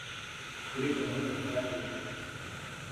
kuri gahunda kandi mu buryo